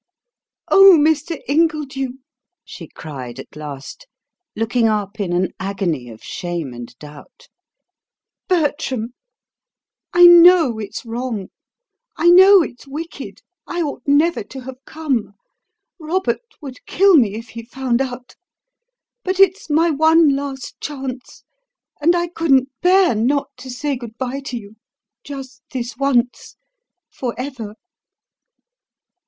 "O Mr. Ingledew," she cried at last, looking up in an agony of shame and doubt: "Bertram I KNOW it's wrong; I KNOW it's wicked; I ought never to have come. Robert would kill me if he found out. But it's my one last chance, and I couldn't BEAR not to say good bye to you just this once for ever."